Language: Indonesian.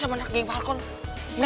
ya udah kita ke rumah